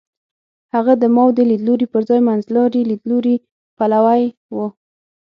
هغه د ماوو د لیدلوري پر ځای منځلاري لیدلوري پلوی و.